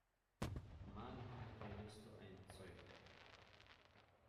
Manchmal redest du ein Zeug daher!